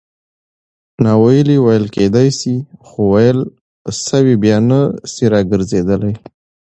ناویلي ویل کېدای سي؛ خو ویل سوي بیا نه سي راګرځېدلای.